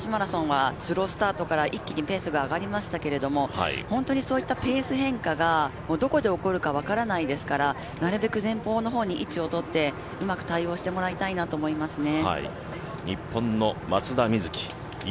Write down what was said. そうですね、なので世界大会ならでは、男子マラソンはスロースタートから一気にペースが上がりましたけども本当にそういったペース変化がどこで起こるか分からないですからなるべく、前方の方に位置を取ってうまく対応してもらいたいなと思いますね。